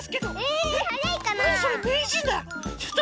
なにそれめいじんだ！